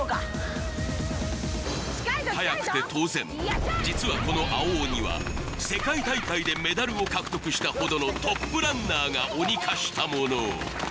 速くて当然実はこの青鬼は世界大会でメダルを獲得したほどのトップランナーが鬼化したもの